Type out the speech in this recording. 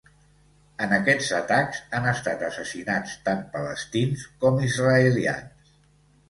En aquests atacs han estat assassinats tant palestins com israelians.